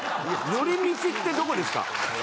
寄り道ってどこですか？